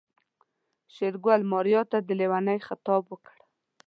شېرګل ماريا ته د ليونۍ خطاب وکړ.